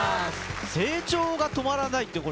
成長が止まらないって